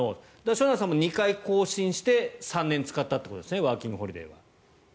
しょなるさんも２回更新して３年使ったということですねワーキングホリデーは。